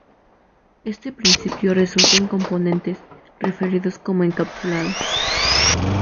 Este principio resulta en componentes referidos como encapsulados.